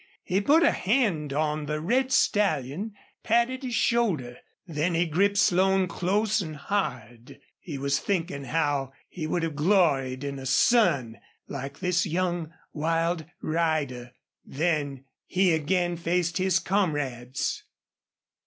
He put a hand on the red stallion patted his shoulder. Then he gripped Slone close and hard. He was thinking how he would have gloried in a son like this young, wild rider. Then he again faced his comrades.